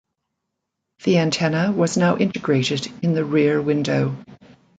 The antenna was now integrated in the rear window.